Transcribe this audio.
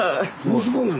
息子なの？